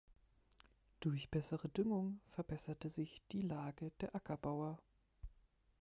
Durch bessere Düngung verbesserte sich die Lage der Ackerbauer.